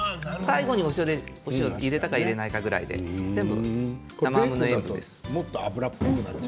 最後にこしょうを入れたか入れないぐらいで全部、生ハムの塩分です。